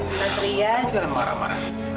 kamu jangan marah marah